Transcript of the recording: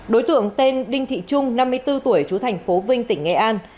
đối tượng tên đinh thị trung năm mươi bốn tuổi chú thành phố vinh tỉnh nghệ an